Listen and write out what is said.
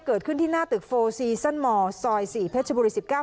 เกิดขึ้นที่หน้าตึกโฟซีซั่นมอร์ซอย๔เพชรบุรี๑๙